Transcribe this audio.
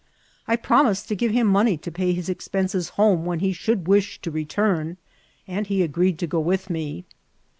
I promised to give him money to pay his expenses home when he should wish to return, and he agreed to go with me.